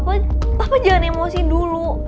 papa jangan emosi dulu